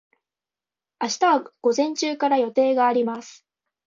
明日は午前中から予定があります。